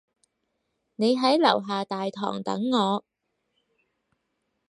你喺樓下大堂等我